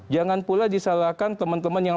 jangan pula disalahkan teman teman yang